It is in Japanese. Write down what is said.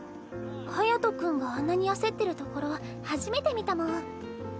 隼君があんなに焦ってるところ初めて見たもん。